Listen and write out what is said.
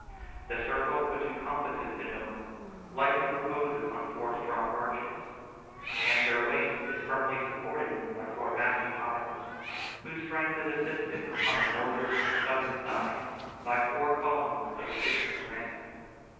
The circle which encompasses the dome, lightly reposes on four strong arches, and their weight is firmly supported by four massy piles, whose strength is assisted, on the northern and southern sides, by four columns of Egyptian granite.